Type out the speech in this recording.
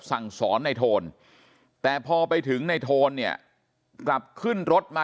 สั่งสอนในโทนแต่พอไปถึงในโทนเนี่ยกลับขึ้นรถมา